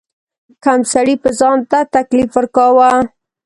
کم سړي به ځان ته تکلیف ورکاوه.